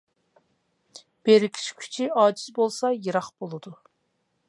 بىرىكىش كۈچى ئاجىز بولسا يىراق بولىدۇ.